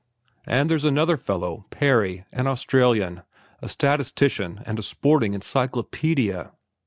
"And there's another fellow—Parry—an Australian, a statistician and a sporting encyclopaedia.